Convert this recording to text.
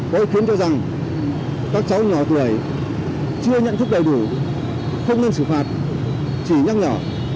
bối khiến cho rằng các cháu nhỏ tuổi chưa nhận thức đầy đủ không nên xử phạt chỉ nhắc nhở